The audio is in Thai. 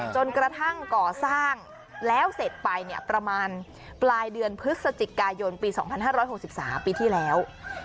จนกระทั่งก่อสร้างแล้วเสร็จไปประมาณปลายเดือนพฤศจิกายนปี๒๕๖๓ปีที่แล้ว